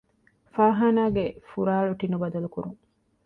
ފާޚާނާގެ ފުރާޅު ޓިނުބަދަލުކުރުން